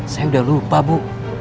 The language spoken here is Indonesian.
saya udah lupa bu